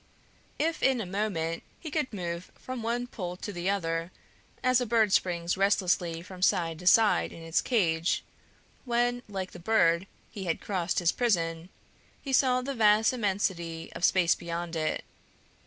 If in a moment he could move from one pole to the other as a bird springs restlessly from side to side in its cage, when, like the bird, he had crossed his prison, he saw the vast immensity of space beyond it.